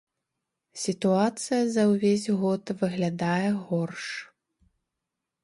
Сітуацыя за ўвесь год выглядае горш.